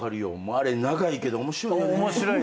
あれ長いけど面白いよね。